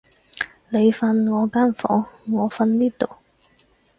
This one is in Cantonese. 你瞓我間房，我瞓呢度